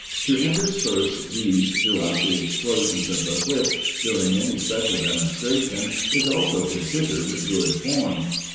To intersperse these throughout the explosions of the whips during any special demonstration is also considered good form.